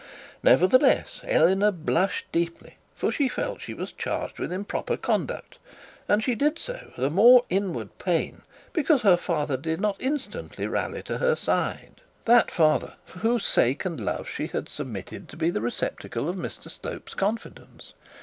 Nevertheless Eleanor blushed deeply, for she felt she was charged with improper conduct, and she did so with the more inward pain because her father did not instantly rally to her side; that father for whose sake and love she had submitted to be the receptacle of Mr Slope's confidence.